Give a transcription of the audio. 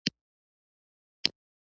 چوکۍ په پخلنځي کې هم وي.